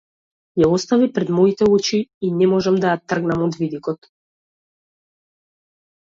Ја остави пред моите очи и не можам да ја тргнам од видикот.